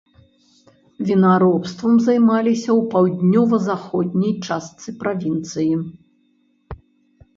Вінаробствам займаліся ў паўднёва-заходняй частцы правінцыі.